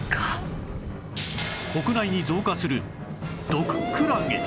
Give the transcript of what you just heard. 国内に増加する毒クラゲ